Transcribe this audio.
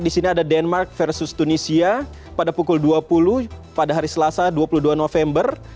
di sini ada denmark versus tunisia pada pukul dua puluh pada hari selasa dua puluh dua november